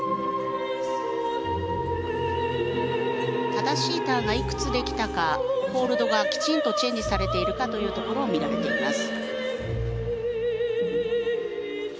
正しいターンがいくつできたかホールドがきちんとチェンジできているかというところを見られています。